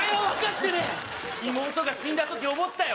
妹が死んだ時思ったよ